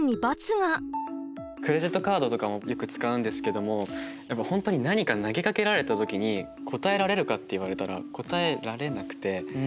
クレジットカードとかもよく使うんですけども本当に何か投げかけられた時に答えられるかって言われたら答えられなくて。